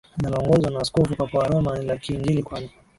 linaloongozwa na Askofu Papa wa Roma ni la Kiinjili kwani